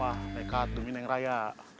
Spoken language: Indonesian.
aduh tidak apa apa pekat demi raya